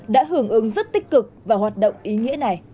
đã hưởng ứng rất tích cực và hoạt động